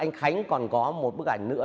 anh khánh còn có một bức ảnh nữa